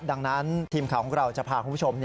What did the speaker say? ดังนั้นทีมข่าวของเราจะพาคุณผู้ชม